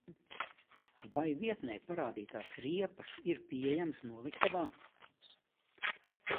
Vai vietnē parādītās riepa ir pieejamas noliktavā?